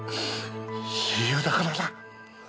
親友だからな！